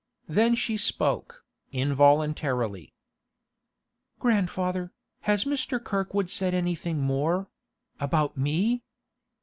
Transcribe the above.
Then she spoke, involuntarily. 'Grandfather, has Mr. Kirkwood said anything more—about me?